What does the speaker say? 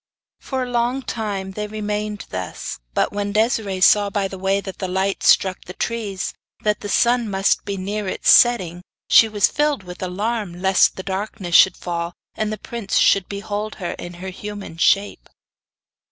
For a long time they remained thus, but when Desiree saw by the way that the light struck the trees, that he sun must be near its setting, she was filled with alarm lest the darkness should fall, and the prince should behold her in her human shape.